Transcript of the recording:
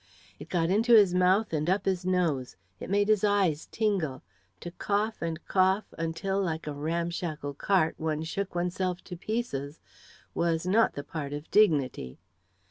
It got into his mouth and up his nose; it made his eyes tingle. To cough and cough until, like a ramshackle cart, one shook oneself to pieces, was not the part of dignity.